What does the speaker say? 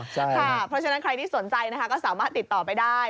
เพราะฉะนั้นใครที่สนใจนะคะก็สามารถติดต่อไปได้